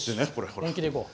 本気で行こう。